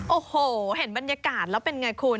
โอ้โหเห็นบรรยากาศแล้วเป็นไงคุณ